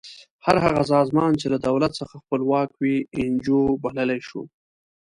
هر هغه سازمان چې له دولت څخه خپلواک وي انجو بللی شو.